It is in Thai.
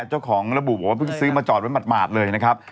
เจ้าของระบูบบอกพึ่งซื้อมาจอดไว้มาตรเลยนะครับ